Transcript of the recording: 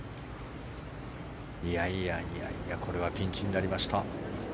いやいやいやこれはピンチになりました。